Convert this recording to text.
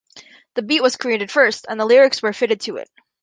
The beat was created first, and the lyrics were fitted to it.